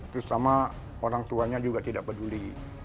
terus sama orang tuanya juga tidak peduli